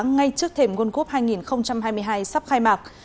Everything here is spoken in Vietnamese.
ngay trước thềm world cup hai nghìn hai mươi hai sắp khai mạc